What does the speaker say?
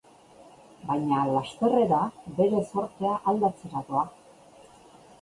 Baina lasterrera bere zortea aldatzera doa...